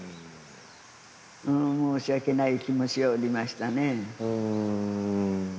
申し訳ない気持ちでおりましたね。